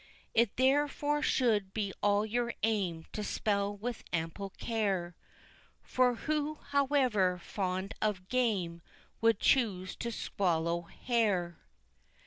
It therefore should be all your aim to spell with ample care; For who, however fond of game, would choose to swallow hair?